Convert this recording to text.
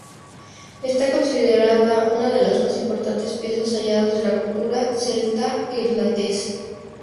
Está considerada una de las más importantes piezas halladas de la cultura celta irlandesa.